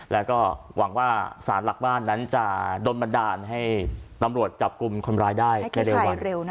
แล้วก็หวังว่าสารหลักบ้านนั้นจะโดนบันดาลให้ตำรวจจับกลุ่มคนร้ายได้ในเร็ววัน